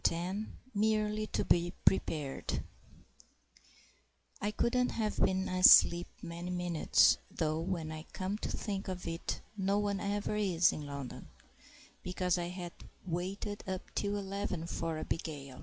VIII Merely to be Prepared I COULDN'T have been asleep many minutes (though, when I come to think of it, no one ever is, in London), because I had waited up till eleven for Abigail.